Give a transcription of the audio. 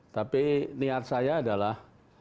tapi niat saya adalah